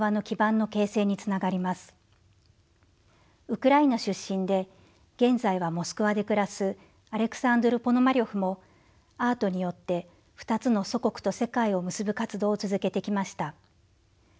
ウクライナ出身で現在はモスクワで暮らすアレクサンドル・ポノマリョフもアートによって２つの祖国と世界を結ぶ活動を続けてきました。